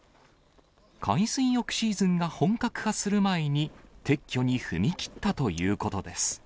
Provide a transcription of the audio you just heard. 海水浴シーズンが本格化する前に、撤去に踏み切ったということです。